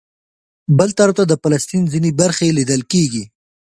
بل طرف د فلسطین ځینې برخې لیدل کېږي.